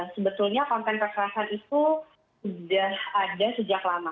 sebetulnya konten kekerasan itu sudah ada sejak lama